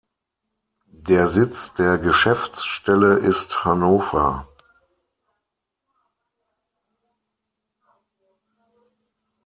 Der Sitz der Geschäftsstelle ist Hannover.